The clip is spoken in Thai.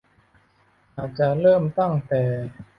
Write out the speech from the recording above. อาจจะเริ่มตั้งแต่